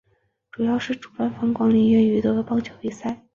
主要是主办管理业余的棒球比赛。